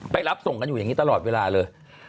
รับส่งกันอยู่อย่างนี้ตลอดเวลาเลย